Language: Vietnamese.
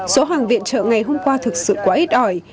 số hàng viện trợ ngày hôm qua thực sự quá ít ỏi